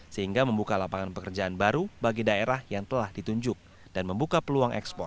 sehingga membuka lapangan pekerjaan baru bagi daerah yang telah ditunjuk dan membuka peluang ekspor